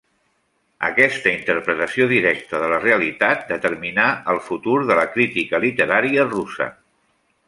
Aquesta interpretació directa de la realitat determinà el futur de la crítica literària russa.